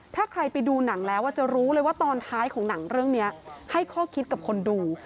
ถ้าใครไปดูหนังแล้วจะรู้เลยว่าตอนท้ายของหนังเรื่องนี้ให้ข้อคิดกับคนดู